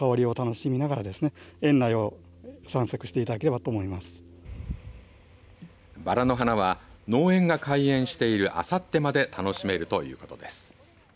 ばらの花は農園が開園している、あさってまで楽しめるということです。